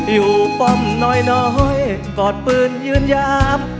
อยู่ป้อมน้อยกอดปืนยืนยาม